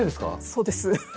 そうです。